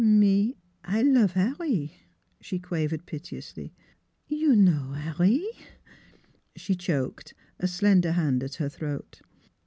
" Me I love 'Arry," she quavered piteously. 44 You know 'Arry " She choked, a slender hand at her throat.